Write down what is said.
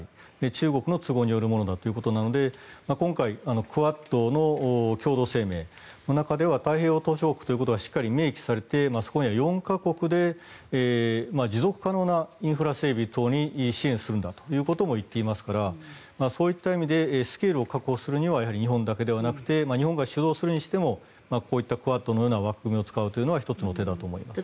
中国の都合によるものだということなので今回クアッドの共同声明の中では太平洋島しょ国ということがしっかりと明記されてそこには４か国で持続可能なインフラ整備等に支援するんだということも言っていますからそういった意味でスケールを確保するには日本だけではなくて日本が主導するにしてもこういったクアッドのような枠組みを使うのは１つの手だと思います。